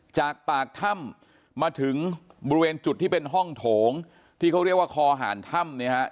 จากปากถ้ำมาถึงบริเวณจุดที่เป็นห้องโถงที่เขาเรียกว่าคอหารถ้ำเนี่ยฮะ